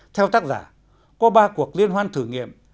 theo tác giả qua ba cuộc liên hoan thử nghiệm